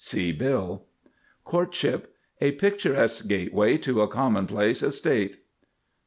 See bill. COURTSHIP. A picturesque gateway to a commonplace estate.